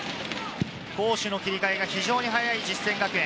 攻守の切り替えが非常に早い実践学園。